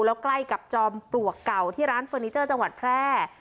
แล้วใกล้กับจอมปลวกเก่าที่ร้านเฟอร์นิเจอร์จังหวัดแพร่